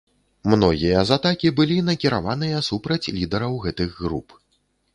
Многія з атакі былі накіраваныя супраць лідараў гэтых груп.